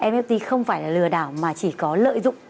fpt không phải là lừa đảo mà chỉ có lợi dụng